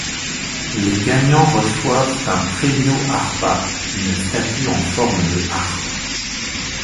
Les gagnants reçoivent un Premio Arpa, une statue en forme de harpe.